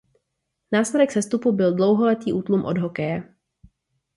Následek sestupu byl dlouholetý útlum od hokeje.